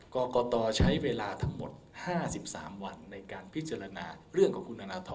กรกตใช้เวลาทั้งหมด๕๓วันในการพิจารณาเรื่องของคุณธนทร